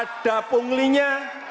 yang ada punglinya